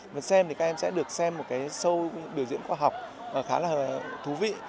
mà xem thì các em sẽ được xem một cái show biểu diễn khoa học khá là thú vị